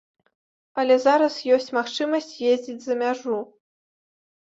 Але зараз ёсць магчымасць ездзіць за мяжу.